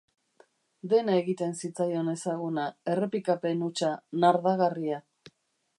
Dena egiten zitzaion ezaguna, errepikapen hutsa, nardagarria.